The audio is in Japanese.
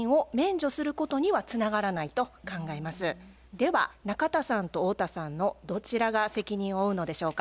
では中田さんと太田さんのどちらが責任を負うのでしょうか。